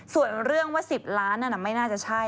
ส่วนเรื่องว่า๑๐ล้านนั่นไม่น่าจะใช่